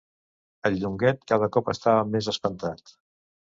El Llonguet cada cop estava més espantat.